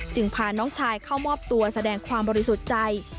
พาน้องชายเข้ามอบตัวแสดงความบริสุทธิ์ใจ